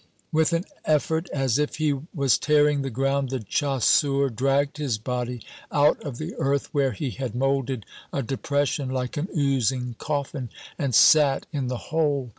With an effort as if he was tearing the ground, the chasseur dragged his body out of the earth where he had molded a depression like an oozing coffin, and sat in the hole.